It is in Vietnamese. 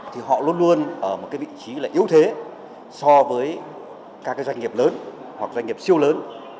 thì họ luôn luôn ở một cái vị trí là yếu thế so với các doanh nghiệp lớn hoặc doanh nghiệp siêu lớn